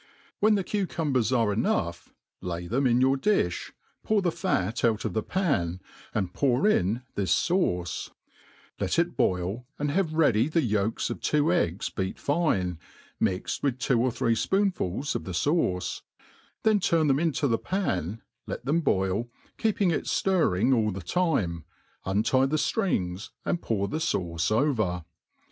When the cucumbers are enough^ lay them ih your diiii, pour the fat out of the pan, and pour in this faupej let it boil, and have ready the yolks of two eggs beat fine^ mixed with two or three fpoonfuls of the fauce, then turn them intp the pan, let them boil, keeping it ftirring all the time, untie the firing*:, and pour the fauce over.